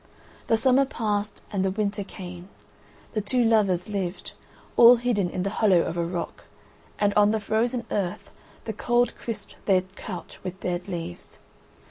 The summer passed and the winter came: the two lovers lived, all hidden in the hollow of a rock, and on the frozen earth the cold crisped their couch with dead leaves.